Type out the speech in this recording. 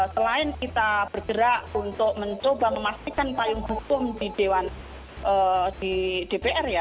selain kita bergerak untuk mencoba memastikan payung hukum di dpr ya